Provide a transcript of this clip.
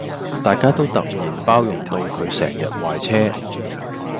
大家都突然包容到佢成日壞車